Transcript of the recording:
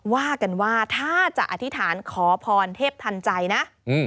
ว่ากันว่าถ้าจะอธิษฐานขอพรเทพทันใจนะ